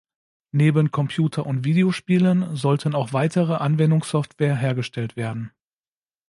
Neben Computer- und Videospielen sollten auch weitere Anwendungssoftware hergestellt werden.